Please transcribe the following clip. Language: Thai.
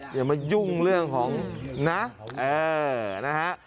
อย่ามายุ่งเรื่องของนะเออนะฮะ